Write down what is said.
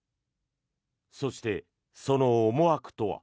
そして、その思惑とは。